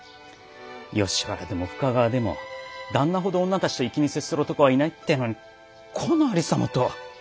吉原でも深川でも旦那ほど女たちと粋に接する男はいないってのにこのありさまとは。